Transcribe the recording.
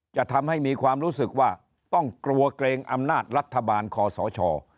จะทำให้มีความรู้สึกว่าต้องกลัวเกรงอำนาจรัฐบาลคอสช